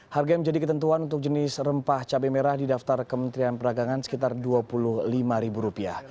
harga yang menjadi ketentuan untuk jenis rempah cabai merah di daftar kementerian peragangan sekitar rp dua puluh lima